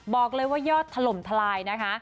บอกเลยว่ายอดถล่มทลายนะคะ